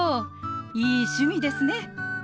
いい趣味ですね。